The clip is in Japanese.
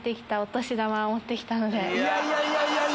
いやいやいやいや！